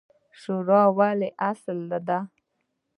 شورا ولې اصل دی؟